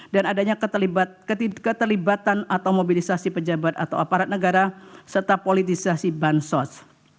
dan adanya keterlibatan atau mobilisasi pejabat atau aparat negara serta politisasi bansos